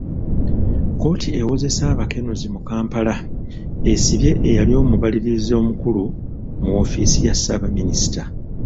Kkooti ewozesa abakenuzi mu Kampala, esibye eyali omubalirizi omukulu mu woofiisi ya Ssaabaminisita.